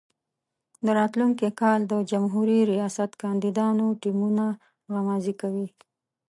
د راتلونکي کال د جمهوري ریاست کاندیدانو ټیمونه غمازي کوي.